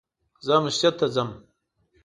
زه مسجد ته ځم